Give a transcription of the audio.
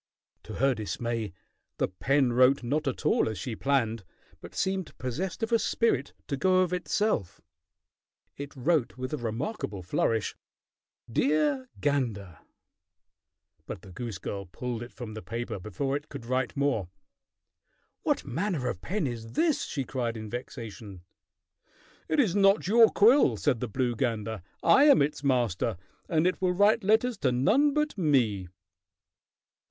To her dismay the pen wrote not at all as she planned, but seemed possessed of a spirit to go of itself. It wrote with a remarkable flourish: "Dear gander!" But the goose girl pulled it from the paper before it could write more. "What manner of pen is this?" she cried in vexation. "It is not your quill," said the blue gander. "I am its master, and it will write letters to none but me."